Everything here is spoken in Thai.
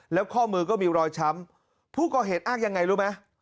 แล้วข้อมือก็มีรอยช้ำผู้ก่อเหตุอ้างยังไงรู้ไหม